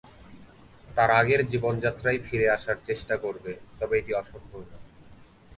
তার আগের জীবনযাত্রায় ফিরে আসার চেষ্টা করবে, তবে এটি অসম্পূর্ণ।